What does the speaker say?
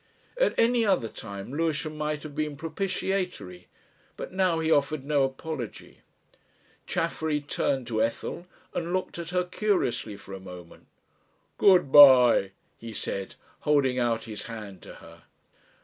At any other time Lewisham might have been propitiatory, but now he offered no apology. Chaffery turned to Ethel and looked at her curiously for a moment. "Good bye," he said, holding out his hand to her.